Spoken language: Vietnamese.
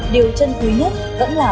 điều chân quý nhất vẫn là